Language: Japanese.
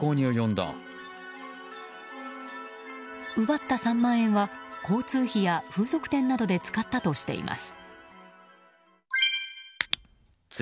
奪った３万円は交通費や風俗店などで使ったとしています。